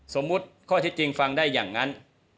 ข้อเท็จจริงฟังได้อย่างนั้น